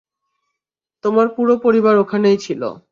তোমার পুরো পরিবার ওখানেই ছিল।